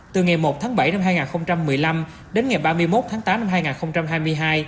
từ ngày một tháng bảy năm hai nghìn một mươi năm đến ngày ba mươi một tháng tám năm hai nghìn hai mươi hai